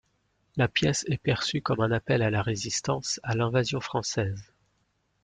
La pièce est perçue comme un appel à la résistance à l'invasion française.